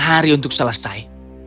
hari untuk selesai